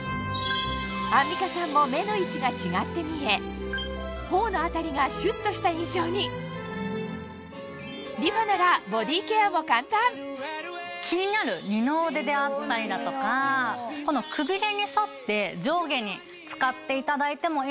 アンミカさんも目の位置が違って見え頬の辺りがシュっとした印象にリファなら気になる二の腕であったりだとかこのくびれに沿って上下に使っていただいてもいいですし。